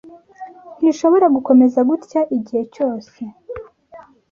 ntishobora gukomeza gutya igihe cyose